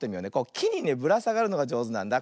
きにねぶらさがるのがじょうずなんだ。